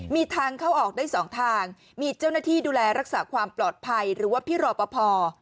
มีทางเข้าออกได้๒ทางมีเจ้าหน้าที่ดูแลรักษาความปลอดภัยหรือว่าพี่รอปภ